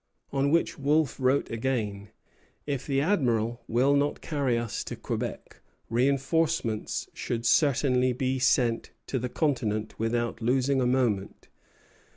On which Wolfe wrote again: "If the Admiral will not carry us to Quebec, reinforcements should certainly be sent to the continent without losing a moment.